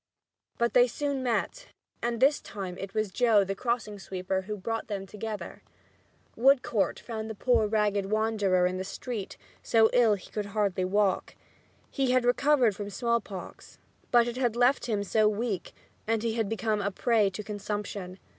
But they soon met, and this time it was Joe the crossing sweeper who brought them together. Woodcourt found the poor ragged wanderer in the street, so ill that he could hardly walk. He had recovered from smallpox, but it had left him so weak that he had become a prey to consumption.